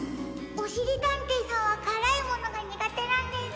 おしりたんていさんはからいものがにがてなんです。